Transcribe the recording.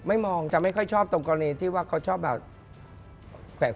มองจะไม่ค่อยชอบตรงกรณีที่ว่าเขาชอบแบบแขวน